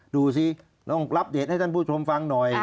ดูสิต้องอัปเดตให้ท่านผู้ชมฟังหน่อย